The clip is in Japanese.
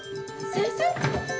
先生？